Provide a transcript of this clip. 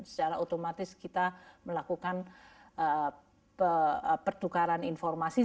secara otomatis kita melakukan pertukaran informasi